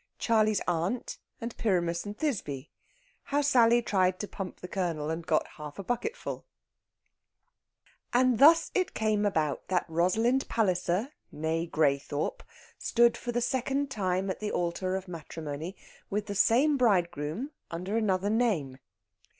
CHARLEY'S AUNT, AND PYRAMUS AND THISBE. HOW SALLY TRIED TO PUMP THE COLONEL AND GOT HALF A BUCKETFUL And thus it came about that Rosalind Palliser (née Graythorpe) stood for the second time at the altar of matrimony with the same bridegroom under another name.